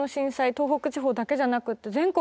東北地方だけじゃなくって全国